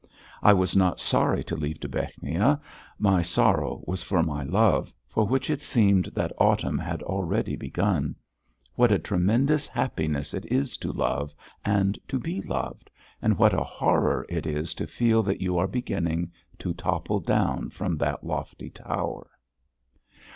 I was not sorry to leave Dubechnia, my sorrow was for my love, for which it seemed that autumn had already begun. What a tremendous happiness it is to love and to be loved, and what a horror it is to feel that you are beginning to topple down from that lofty tower!